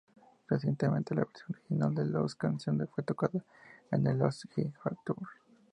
Recientemente la versión original de la canción fue tocada en el Lost Highway Tour.